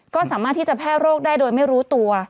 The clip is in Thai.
ก็สามารถที่จะแพร่โรคได้โดยไม่รู้ตัว